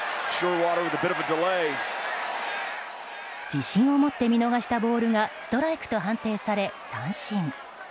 自信を持って見逃したボールがストライクと判定され三振。